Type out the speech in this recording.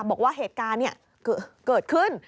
บอกว่าเหตุการณ์เกิดขึ้น